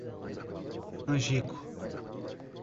Angico